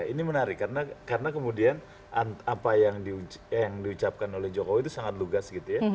ini menarik karena kemudian apa yang diucapkan oleh jokowi itu sangat lugas gitu ya